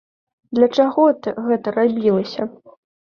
Для чаго гэта рабілася?